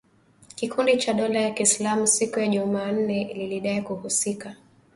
kikundi cha dola ya Kiislamu siku ya Jumanne lilidai kuhusika